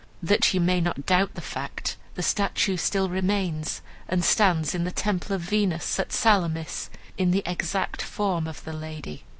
That you may not doubt the fact, the statue still remains, and stands in the temple of Venus at Salamis, in the exact form of the lady.